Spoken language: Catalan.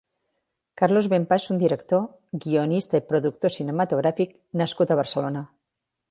Carlos Benpar és un director, guionista i productor cinematogràfic nascut a Barcelona.